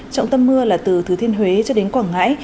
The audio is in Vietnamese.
trọng tâm mưa là từ thứ thiên huế cho đến quảng ngãi